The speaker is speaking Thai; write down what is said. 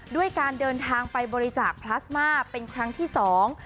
ด้วยการเดินทางไปบริจาคพลาสมาเป็นครั้งที่สอง